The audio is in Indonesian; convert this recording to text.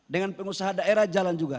dengan pengusaha daerah jalan juga